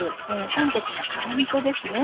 韓国の甘みそですね。